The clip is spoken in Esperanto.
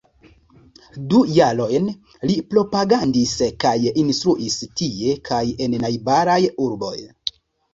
Du jarojn li propagandis kaj instruis tie kaj en najbaraj urboj.